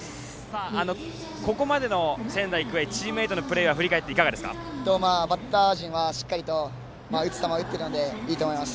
ここまでの仙台育英チームメートのプレーをバッター陣はしっかりと打つ球を打っているのでいいと思います。